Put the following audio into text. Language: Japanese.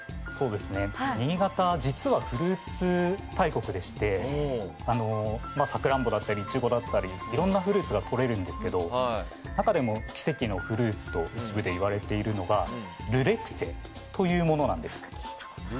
新潟、実はフルーツ大国でしてサクランボだったりイチゴだったりいろんなフルーツがとれるんですが中でも奇跡のフルーツと一部で言われているのがル・レクチェというものです。